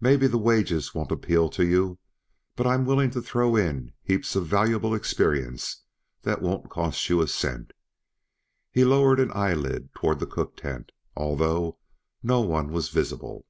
Maybe the wages won't appeal to yuh, but I'm willing to throw in heaps uh valuable experience that won't cost yuh a cent." He lowered an eyelid toward the cook tent, although no one was visible.